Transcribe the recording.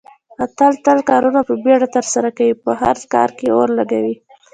احمد تل کارونه په بیړه ترسره کوي، په هر کار کې اور لگوي.